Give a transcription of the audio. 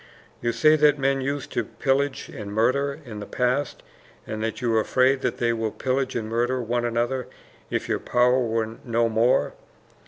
"You say that men used to pillage and murder in the past, and that you are afraid that they will pillage and murder one another if your power were no more.